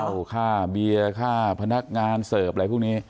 ค่าเบียร์ค่าพนักงานเสิร์ฟอะไรพวกนี้